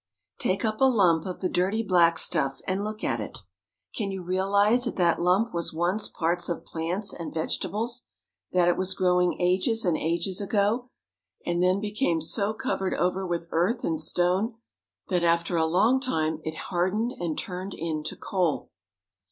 Take up a lump of the dirty black stuff and look at it. Can you realize that that lump was once parts of plants and vegetables ? that it was growing ages and ages ago, and then became so covered over with earth and stone that after a long time it hard ened and turned into coal